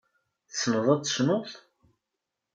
Tessneḍ ad tecnuḍ?